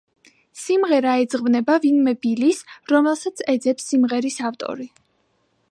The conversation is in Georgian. სიმღერა ეძღვნება ვინმე ბილის, რომელსაც ეძებს სიმღერის ავტორი.